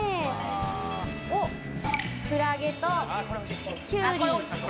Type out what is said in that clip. キクラゲときゅうり。